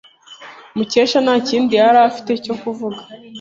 Mukesha nta kindi yari afite cyo kuvuga.